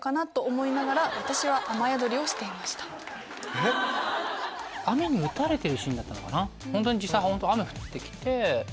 えっ⁉雨に打たれてるシーンだったのかな。